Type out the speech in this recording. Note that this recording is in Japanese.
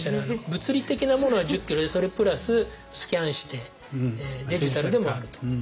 物理的なものは１０キロでそれプラススキャンしてデジタルでもあると。